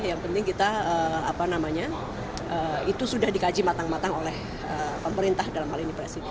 yang penting kita apa namanya itu sudah dikaji matang matang oleh pemerintah dalam hal ini presiden